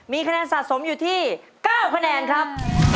มีคะแนนสะสมอยู่ที่๙คะแนนครับ